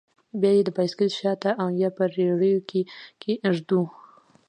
بيا يې د بايسېکل شاته او يا په رېړيو کښې ږدو.